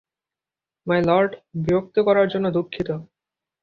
মাই lord, বিরক্ত করার জন্য দুঃখিত।